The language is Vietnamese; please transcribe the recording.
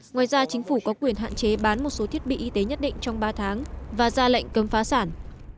ngoài ra chính phủ có quyền hạn chế bán một số thiết bị y tế nhất định trong ba tháng và ra lệnh cấm phá sản